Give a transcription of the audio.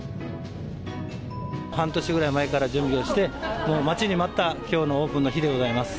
半年ぐらい前から準備をして、もう待ちに待ったきょうのオープンの日でございます。